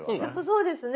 そうですね。